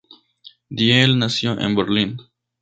Diehl nació en Berlín.